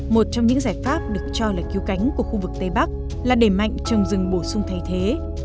một trong những giải pháp được cho là cứu cánh của khu vực tây bắc là để mạnh trồng rừng bổ sung thay thế